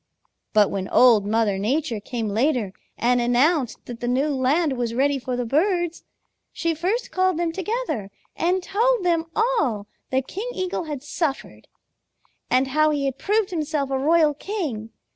"But when Old Mother Nature came later and announced that the new land was ready for the birds, she first called them together and told them all that King Eagle had suffered, and how he had proved himself a royal king.